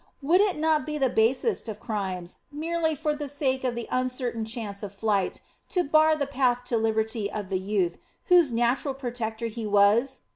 Would it not be the basest of crimes, merely for the sake of the uncertain chance of flight, to bar the path to liberty of the youth whose natural protector he was?